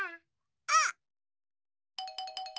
あっ！